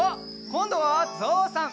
こんどはぞうさん！